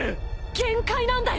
限界なんだよ